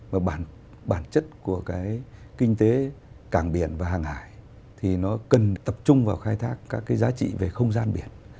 và bản chất của cái kinh tế cảng biển và hàng hải thì nó cần tập trung vào khai thác các cái giá trị về không gian biển